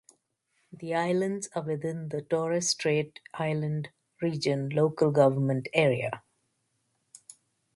The islands are within the Torres Strait Island Region local government area.